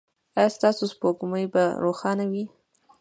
ایا ستاسو سپوږمۍ به روښانه وي؟